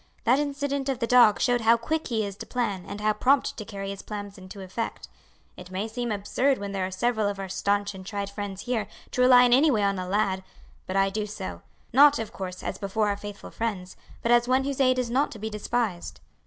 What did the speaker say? That incident of the dog showed how quick he is to plan and how prompt to carry his plans into effect. It may seem absurd when there are several of our staunch and tried friends here to rely in any way on a lad, but I do so. Not, of course, as before our faithful friends, but as one whose aid is not to be despised."